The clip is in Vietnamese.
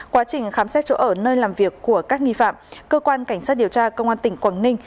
quá trình khám xét chỗ ở nơi làm việc của các nghi phạm cơ quan cảnh sát điều tra công an tỉnh quảng ninh